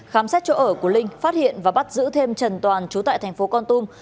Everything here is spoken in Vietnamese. khám xét chỗ ở của linh phát hiện và bắt giữ thêm trần toàn trú tại tp con tum